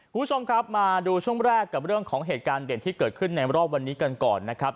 คุณผู้ชมครับมาดูช่วงแรกกับเรื่องของเหตุการณ์เด่นที่เกิดขึ้นในรอบวันนี้กันก่อนนะครับ